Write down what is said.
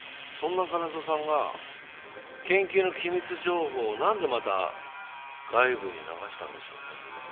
そんな金戸さんが研究の機密情報をなんでまた外部に流したんでしょうね？